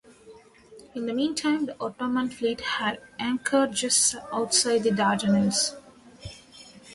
In the meantime the Ottoman fleet had anchored just outside the Dardanelles.